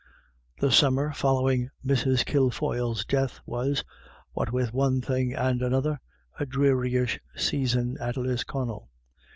The summer following Mrs. Kilfoyle's death was, what with one thing and another, a drearyish season at Lisconnel.